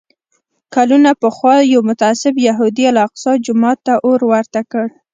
کلونه پخوا یو متعصب یهودي الاقصی جومات ته اور ورته کړ.